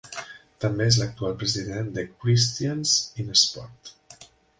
També és l'actual president de "Christians In Sport".